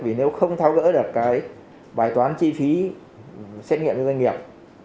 vì nếu không tháo gỡ được cái bài toán chi phí xét nghiệm cho doanh nghiệp